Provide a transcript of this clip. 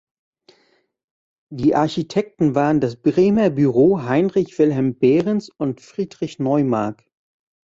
Die Architekten waren das Bremer Büro Heinrich Wilhelm Behrens und Friedrich Neumark.